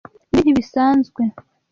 Ibi ntibisanzwe.